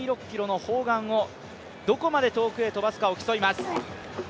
７．２６ｋｇの砲丸をどこまで遠くに飛ばせるか競います。